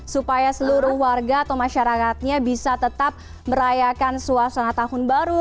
supaya seluruh warga atau masyarakatnya bisa tetap merayakan suasana tahun baru